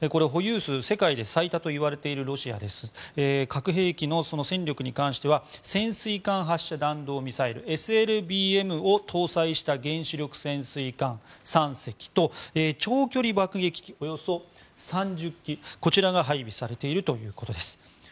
保有数、世界で最多といわれているロシアですが核兵器の戦力に関しては潜水艦発射弾道ミサイル・ＳＬＢＭを搭載した原子力潜水艦３隻と長距離爆撃機およそ３０機こちらが配備されているということです。